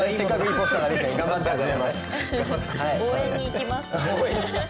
応援に行きます！